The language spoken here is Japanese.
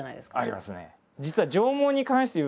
ありますね。